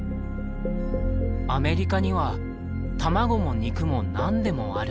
「アメリカには卵も肉も何でもある。